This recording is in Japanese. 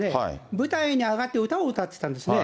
舞台に上がって歌を歌ってたんですね。